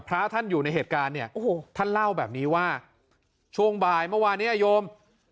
พระท่านอยู่ในเหตุการณ์เนี่ยโอ้โหท่านเล่าแบบนี้ว่าช่วงบ่ายเมื่อวานนี้โยม